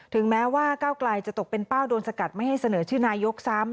แม้ว่าก้าวไกลจะตกเป็นเป้าโดนสกัดไม่ให้เสนอชื่อนายกซ้ำ